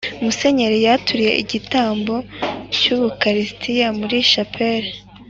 musenyeri yaturiye igitambo cy’ukaristiya muri chapelle